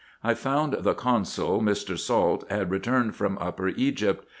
I found the consul, Mr. Salt, had returned from Upper Egypt.